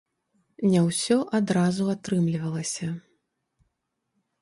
Не ўсё адразу атрымлівалася.